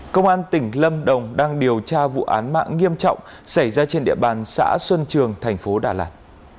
công an tỉnh lâm đồng đang điều tra vụ án mạng nghiêm trọng xảy ra trên địa bàn xã xuân trường thành phố đà lạt